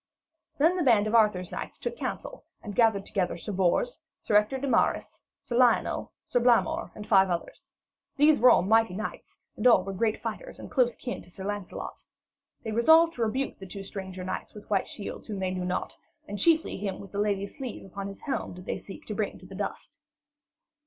Then the band of Arthur's knights took counsel and gathered together Sir Bors, Sir Ector de Maris, Sir Lionel, Sir Blamore and five others. These were all mighty knights and all were great fighters and close kin to Sir Lancelot. They resolved to rebuke the two stranger knights with white shields whom they knew not; and chiefly him with the lady's sleeve upon his helm did they seek to bring to the dust.